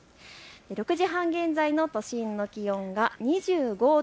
６時半現在の都心の気温が２５．９度。